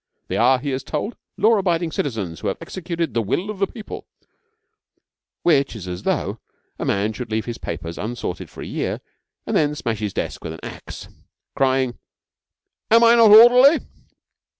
They are, he is told, law abiding citizens who have executed 'the will of the people'; which is as though a man should leave his papers unsorted for a year and then smash his desk with an axe, crying, 'Am I not orderly?'